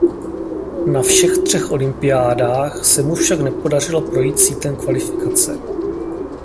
Na všech třech olympiádách se mu však nepodařilo projít sítem kvalifikace.